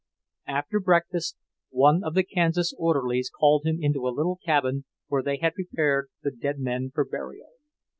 After breakfast one of the Kansas orderlies called him into a little cabin where they had prepared the dead men for burial.